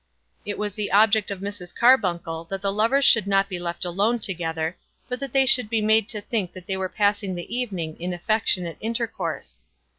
It was the object of Mrs. Carbuncle that the lovers should not be left alone together, but that they should be made to think that they were passing the evening in affectionate intercourse.